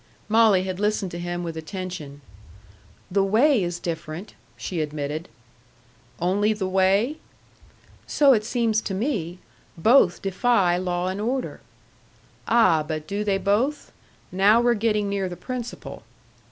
Molly had listened to him with attention. "The way is different," she admitted. "Only the way?" "So it seems to me. Both defy law and order." "Ah, but do they both? Now we're getting near the principle."